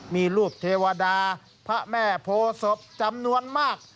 มีรูปเทวดาพระแม่โพศพจำนวนมาก